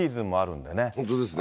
本当ですね。